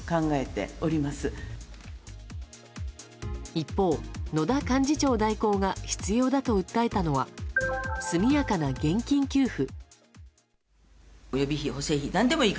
一方、野田幹事長代行が必要だと訴えたのは速やかな現金給付。